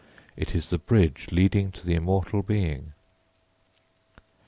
] _It is the bridge leading to the immortal being.